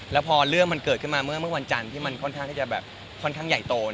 แล้วพอเรื่องมันเกิดขึ้นมาเมื่อวันจันทร์ที่มันค่อนข้างใหญ่โต